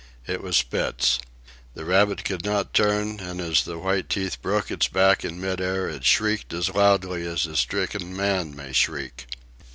It was Spitz. The rabbit could not turn, and as the white teeth broke its back in mid air it shrieked as loudly as a stricken man may shriek.